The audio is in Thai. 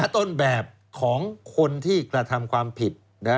ต้นแบบของคนที่กระทำความผิด